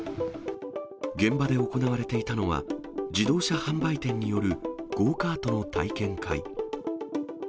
現場で行われていたのは、自動車販売店によるゴーカートの体験会。